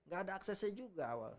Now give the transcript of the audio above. gak ada aksesnya juga awal